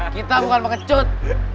kita bukan pake cut